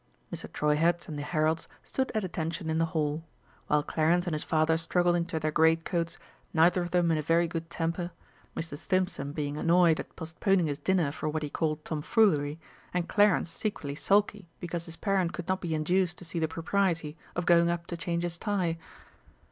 Mr. Treuherz and the heralds stood at attention in the hall. While Clarence and his father struggled into their great coats, neither of them in a very good temper, Mr. Stimpson being annoyed at postponing his dinner for what he called "tomfoolery," and Clarence secretly sulky because his parent could not be induced to see the propriety of going up to change his tie.